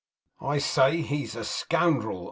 'I say he is a scoundrel!